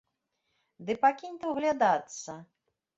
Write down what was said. Ды пакінь ты ўглядацца!